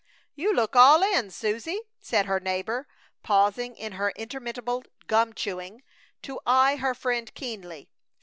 "You look all in, Susie!" said her neighbor, pausing in her interminable gum chewing to eye her friend keenly.